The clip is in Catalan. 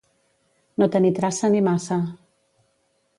No tenir traça ni maça.